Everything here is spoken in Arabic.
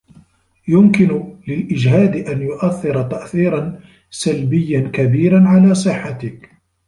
يمكن للإجهاد أن يؤثر تأثيرا سلبيا كبيرا على صحتك.